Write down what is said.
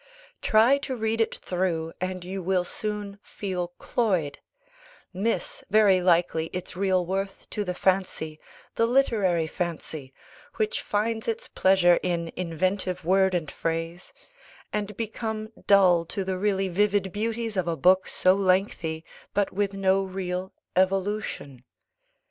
Try to read it through, and you will soon feel cloyed; miss very likely, its real worth to the fancy, the literary fancy (which finds its pleasure in inventive word and phrase) and become dull to the really vivid beauties of a book so lengthy, but with no real evolution.